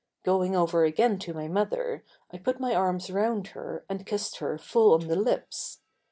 Going over again to my mother I put my arms round her and kissed her full on the lips.